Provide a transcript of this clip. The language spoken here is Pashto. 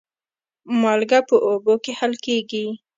مالګه په اوبو کې حل کېږي.